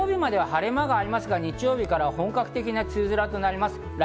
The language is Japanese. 土曜日までは晴れ間がありますが、日曜日からは本格的な梅雨空となります。